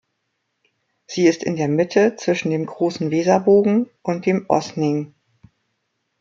Sie ist in der Mitte zwischen dem großen Weserbogen und dem Osning.